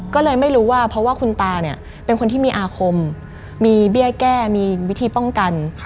ก็เลยไม่รู้ว่าเพราะว่าคุณตาเนี่ยเป็นคนที่มีอาคมมีเบี้ยแก้มีวิธีป้องกัน